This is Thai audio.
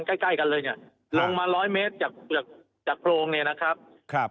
ใกล้ใกล้กันเลยเนี่ยลงมาร้อยเมตรจากจากโพรงเนี่ยนะครับครับ